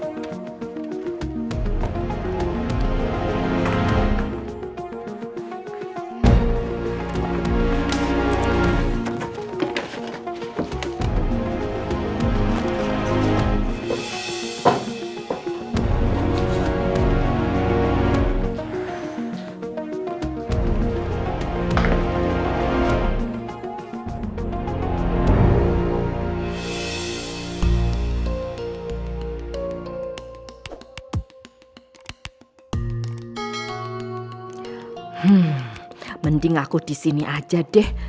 hmm mending aku disini aja deh